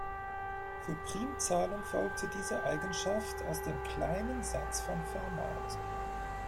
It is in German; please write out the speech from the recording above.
Für Primzahlen folgt diese Eigenschaft aus dem kleinen Satz von Fermat.